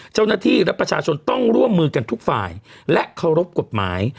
เจ้าหน้าที่และประชาชนต้องร่วมมือกันทุกฝ่ายและเคารพกฎหมาย